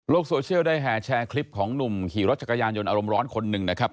โซเชียลได้แห่แชร์คลิปของหนุ่มขี่รถจักรยานยนต์อารมณ์ร้อนคนหนึ่งนะครับ